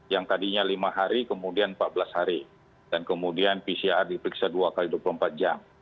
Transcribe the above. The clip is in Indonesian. yang tadinya lima hari kemudian empat belas hari dan kemudian pcr diperiksa dua x dua puluh empat jam